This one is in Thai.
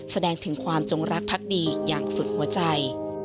แสดงถึงความจงรักพักดีอย่างสุดหัวใจ